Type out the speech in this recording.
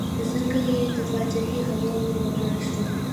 ځکه یې د پاچهۍ هوا ور ولاړه شوه.